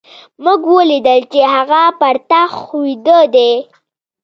موږ وليدل چې هغه پر تخت ويده دی.